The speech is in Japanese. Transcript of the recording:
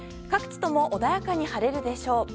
各地とも穏やかに晴れるでしょう。